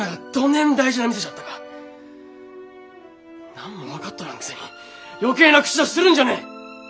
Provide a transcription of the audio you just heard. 何も分かっとらんくせに余計な口出しするんじゃねえ！